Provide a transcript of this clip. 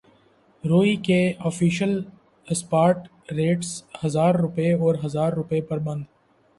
روئی کے official spot rates ہزار روپے اور ہزار روپے پر بند